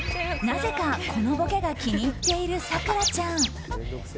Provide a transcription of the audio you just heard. なぜか、このボケが気に入っている咲楽ちゃん。